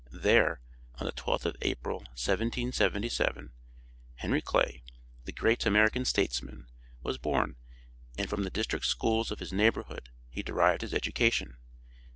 There, on the 12th of April, 1777, Henry Clay, the great American statesman, was born, and from the district schools of his neighborhood he derived his education.